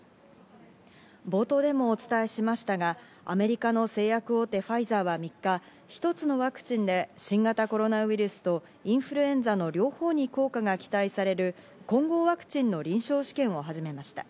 冒頭でもお伝えしましたが、アメリカの製薬大手ファイザーは３日、一つのワクチンで新型コロナウイルスとインフルエンザの両方に効果が期待される混合ワクチンの臨床試験を始めました。